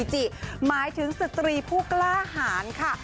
หมายถึงสตรีผู้กล้าหารค่ะ